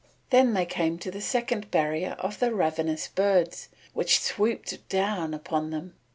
Then they came to the second barrier of the ravenous birds, which swooped down upon them.